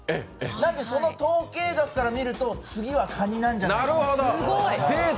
なんでその統計学から見ると次はかになんじゃないかと。